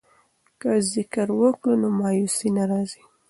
که ذکر وکړو نو مایوسي نه راځي.